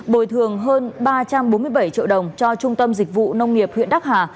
bồi thường hơn ba trăm bốn mươi bảy triệu đồng cho trung tâm dịch vụ nông nghiệp huyện đắc hà